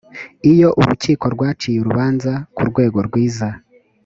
iyo urukiko rwaciye urubanza ku rwego rwiza